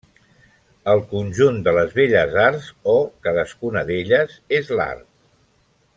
El conjunt de les Belles Arts o cadascuna d'elles és l'Art.